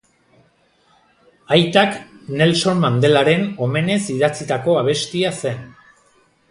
Aitak Nelson Mandelaren omenez idatzitako abestia zen.